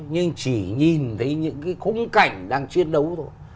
nhưng chỉ nhìn thấy những cái khung cảnh đang chiến đấu thôi